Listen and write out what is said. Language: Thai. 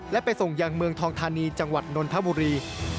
และไปส่งยังเมืองทองธานีจังหวัดนนทบุรี